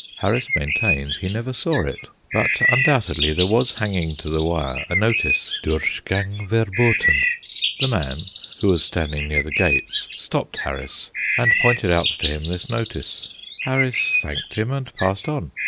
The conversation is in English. Harris maintains he never saw it, but undoubtedly there was hanging to the wire a notice, "Durchgang Verboten!" The man, who was standing near the gates stopped Harris, and pointed out to him this notice. Harris thanked him, and passed on.